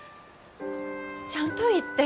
ちゃんと言って。